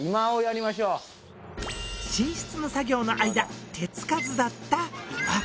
寝室の作業の間手付かずだった居間。